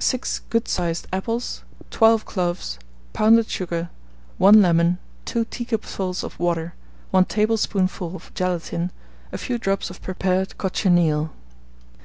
6 good sized apples, 12 cloves, pounded sugar, 1 lemon, 2 teacupfuls of water, 1 tablespoonful of gelatine, a few drops of prepared cochineal.